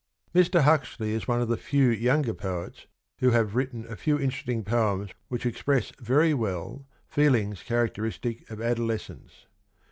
... Mr. Huxley is one of the few younger poets who have written a few interesting poems which express very well feelings characteristic of adolescence.